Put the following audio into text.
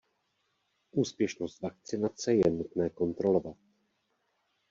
Úspěšnost vakcinace je nutné kontrolovat.